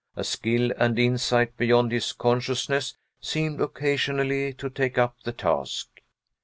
A skill and insight beyond his consciousness seemed occasionally to take up the task.